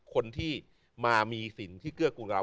คนที่มามีสินที่เกื้อกูลเรา